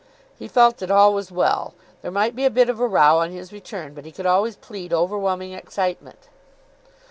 He felt that all was well. There might be a bit of a row on his return, but he could always plead overwhelming excitement.